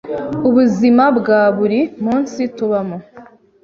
ubuzima bwa buri munsi tubamo